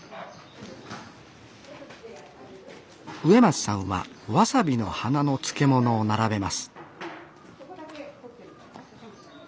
植松さんはわさびの花の漬物を並べます